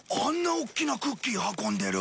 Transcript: おっきなクッキー運んでる。